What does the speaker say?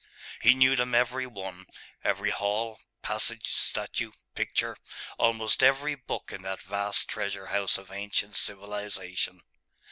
He knew them every one, every hall, passage, statue, picture, almost every book in that vast treasure house of ancient civilisation.